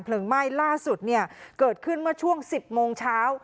ไหม้ล่าสุดเนี่ยเกิดขึ้นเมื่อช่วง๑๐โมงเช้า